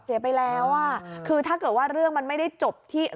เสียไปแล้วอ่ะคือถ้าเกิดว่าเรื่องมันไม่ได้จบที่